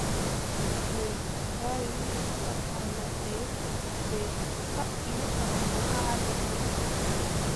Ɓe ngari caka ladde ɓe kaɓɓi Sammbo haa lekki.